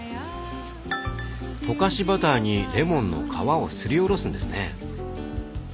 溶かしバターにレモンの皮をすりおろすんですね。